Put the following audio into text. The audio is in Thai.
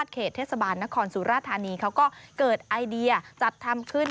เขาก็เกิดไอเดียจัดทำขึ้น